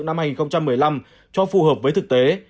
năm hai nghìn một mươi năm cho phù hợp với thực tế